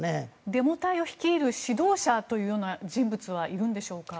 デモ隊を率いる指導者という人物はいるのでしょうか。